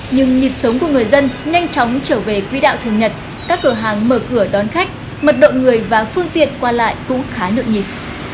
nhưng nhịp sống của người dân nhanh chóng trở về quỹ đạo thường nhật các cửa hàng mở cửa đón khách mật độ người và phương tiện qua lại cũng khá nội nhịp